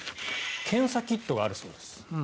検査キットがあるそうです。